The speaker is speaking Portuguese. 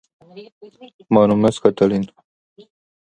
Inovações rápidas surgem em projetos de código aberto.